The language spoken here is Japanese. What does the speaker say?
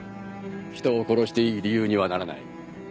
人を殺していい理由にはならない。